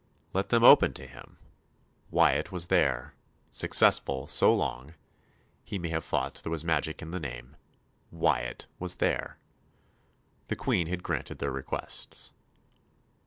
Let them open to him; Wyatt was there successful so long, he may have thought there was magic in the name Wyatt was there; the Queen had granted their requests.